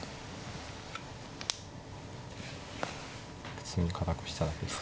普通に堅くしただけですか何か。